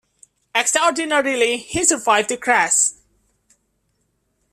Extraordinarily he survived the crash.